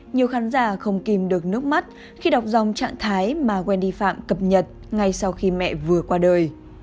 nhiều khán giả không kìm được nước mắt khi đọc dòng trạng thái mà wendy phạm cập nhật ngay sau khi mẹ vừa qua đời